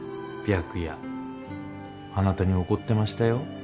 白夜あなたに怒ってましたよ。